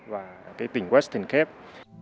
và cái tỉnh western cape